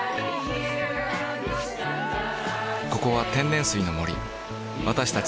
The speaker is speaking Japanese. ここは天然水の森私たち